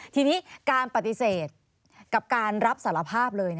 ทีนี้การปฏิเสธกับการรับสารภาพเลย